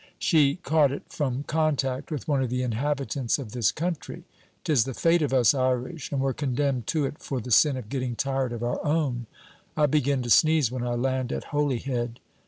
'She caught it from contact with one of the inhabitants of this country. 'Tis the fate of us Irish, and we're condemned to it for the sin of getting tired of our own. I begin to sneeze when I land at Holyhead.